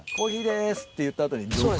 って言った後に。